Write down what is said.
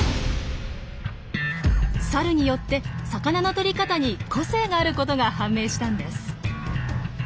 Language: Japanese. サルによって魚のとり方に個性があることが判明したんです。